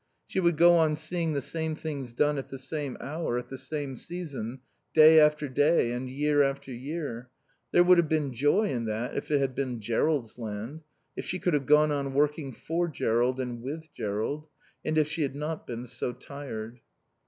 She would go on seeing the same things done at the same hour, at the same season, day after day and year after year. There would have been joy in that if it had been Jerrold's land, if she could have gone on working for Jerrold and with Jerrold. And if she had not been so tired.